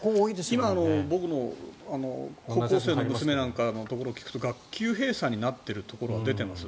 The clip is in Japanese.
今、僕の高校生の娘なんかのところに聞くと学級閉鎖になっているところが出ています。